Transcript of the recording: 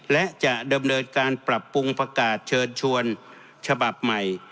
และจะดำเนินการปรับปรุงประกาศเชิญชวนฉบับใหม่